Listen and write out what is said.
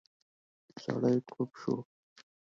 سړی کړپ شو.